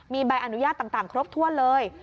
มีใบอนุญาตต่างครบถ้วนเลย